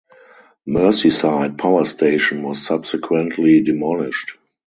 Merseyside Power Station was subsequently demolished.